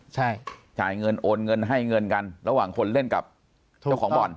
ใช่จ่ายเงินโอนเงินให้เงินกันระหว่างคนเล่นกับเจ้าของบ่อน